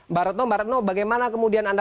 mbak retno mbak retno bagaimana kemudian anda